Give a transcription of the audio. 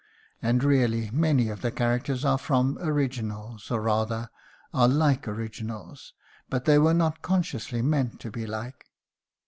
And really many of the characters are from originals, or rather are like originals, but they were not consciously meant to be like."